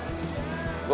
gue gak peduli ya